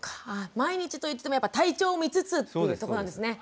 毎日といってもやっぱ体調を見つつっていうとこなんですね？